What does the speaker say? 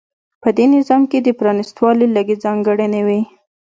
په دې نظام کې د پرانېستوالي لږې ځانګړنې وې.